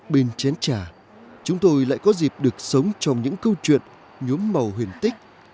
bên chén trà chúng tôi lại có dịp được sống trong những câu chuyện nhốm màu huyền tích